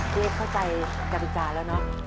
พี่เอ็กซ์เข้าใจกรรมการแล้วนะ